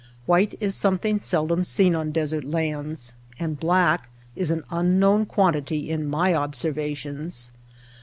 White is something seldom seen on desert lands, and black is an unknown quantity in my observations.